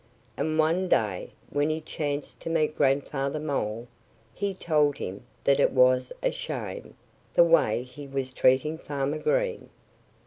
And one day when he chanced to meet Grandfather Mole he told him that it was a shame, the way he was treating Farmer Green.